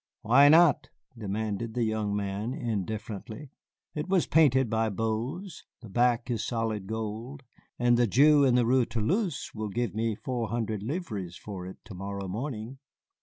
"Why not?" demanded the young man, indifferently. "It was painted by Boze, the back is solid gold, and the Jew in the Rue Toulouse will give me four hundred livres for it to morrow morning."